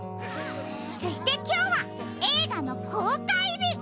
そしてきょうはえいがのこうかいび！